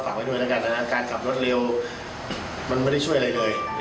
ก็ฝากไว้ด้วยนะครับการขับรถเร็วมันไม่ได้ช่วยอะไรเลย